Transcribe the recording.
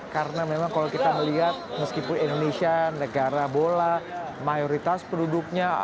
karena memang kalau kita melihat meskipun indonesia negara bola mayoritas penduduknya